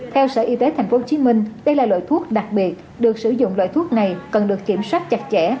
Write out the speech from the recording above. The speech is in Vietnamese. theo sở y tế tp hcm đây là loại thuốc đặc biệt được sử dụng loại thuốc này cần được kiểm soát chặt chẽ